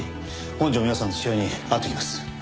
本条美和さんの父親に会ってきます。